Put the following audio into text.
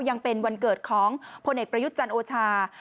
ยังเป็นวันเกิดของพลเอกประยุทธ์จันทร์โอชา